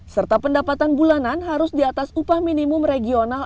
serta pendapatan bulanan harus di atas upah minimum regional